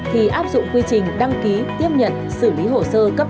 thì áp dụng quy trình đăng ký tiếp nhận